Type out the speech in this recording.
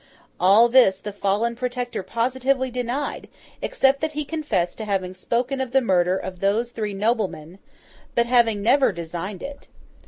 All this the fallen Protector positively denied; except that he confessed to having spoken of the murder of those three noblemen, but having never designed it.